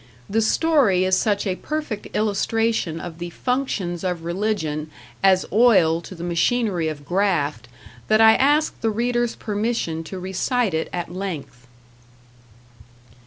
The story is such a perfect illustration of the functions of religion as oil to the machinery of graft that I ask the reader's permission to recite it at length.